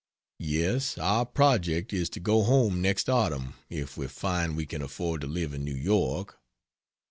Yes, our project is to go home next autumn if we find we can afford to live in New York.